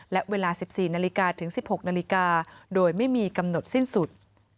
และเวลา๑๔นถึง๑๖นโดยไม่มีกำหนดสิ้นสุด